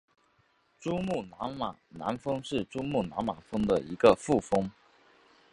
珠穆朗玛南峰是珠穆朗玛峰的一个副峰。